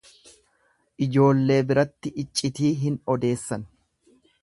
ljoollee biratti iccitii hin odeessan.